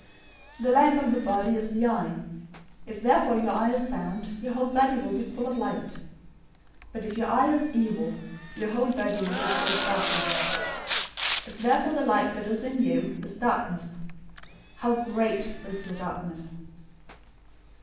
006:022 "The lamp of the body is the eye. If therefore your eye is sound, your whole body will be full of light. 006:023 But if your eye is evil, your whole body will be full of darkness. If therefore the light that is in you is darkness, how great is the darkness!